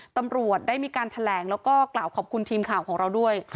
ตำรวจได้มีการแถลงแล้วก็กล่าวขอบคุณทีมข่าวของเราด้วย